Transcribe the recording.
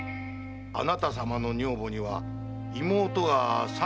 あなたさまの女房には妹が三人ございます。